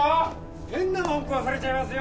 変なもん食わされちゃいますよ